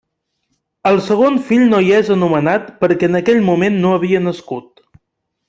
El segon fill no hi és anomenat perquè en aquell moment no havia nascut.